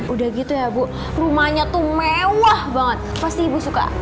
udah gitu ya bu rumahnya tuh mewah banget pasti ibu suka